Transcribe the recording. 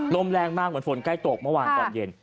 ลมแรงมากเหมือนฝนใกล้ตกเมื่อวานตอนเย็น